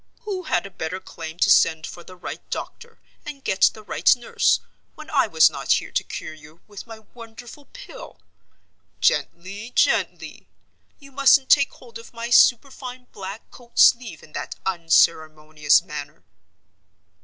Who had a better claim to send for the right doctor, and get the right nurse, when I was not here to cure you with my wonderful Pill? Gently! gently! you mustn't take hold of my superfine black coat sleeve in that unceremonious manner."